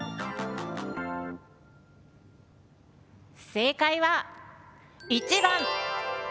正解は１番。